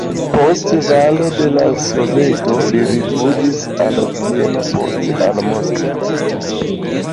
Post falo de la Soveto li rifuĝis al Vieno, poste al Moskvo.